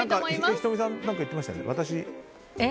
仁美さん何か言ってましたよね。